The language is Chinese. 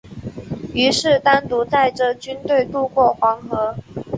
于是单独带着军队渡过黄河。